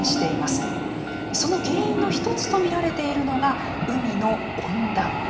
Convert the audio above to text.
その原因の一つと見られているのが海の温暖化。